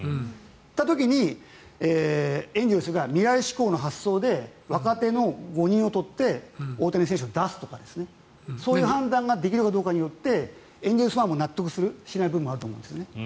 という時にエンゼルスが未来志向の発想で若手の５人を取って大谷選手を出すとかそういう判断ができるかどうかによってエンゼルスファンも納得するしない部分もあると思うんです。